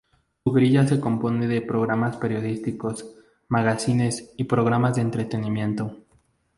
Su grilla se compone de programas periodísticos, magacines y programas de entretenimiento.